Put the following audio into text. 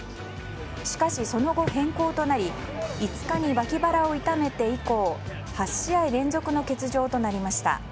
しかし、その後変更となり５日に脇腹を痛めて以降８試合連続の欠場となりました。